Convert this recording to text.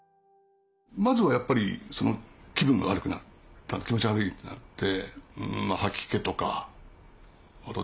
まずはやっぱり気分が悪くなった気持ち悪いってなって。